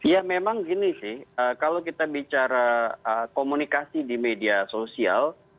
ya memang gini sih kalau kita bicara komunikasi di media sosial